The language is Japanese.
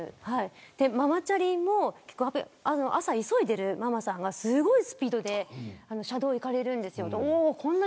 ママチャリも朝急いでいるママさんがすごいスピードで車道を行かれるんです。